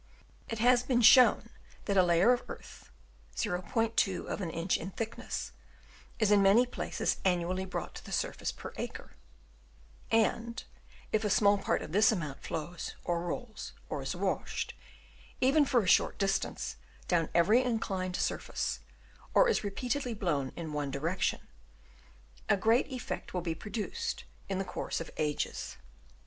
It has been shown that a layer of earth, *2 of an inch in thickness, is in many places annually brought to the surface per acre ; and if a small part of this amount flows, or rolls, or is washed, even for a short distance down every inclined surface, or is repeatedly blown in one direction, a great effect will be produced in the course of ages.